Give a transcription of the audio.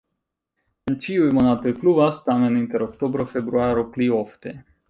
En ĉiuj monatoj pluvas, tamen inter oktobro-februaro pli ofte.